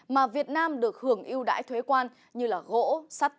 mà việt nam được hưởng yêu đại thuế quan như gỗ sắt